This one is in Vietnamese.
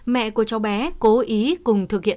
mẹ của cháu bé cố ý cùng thực hiện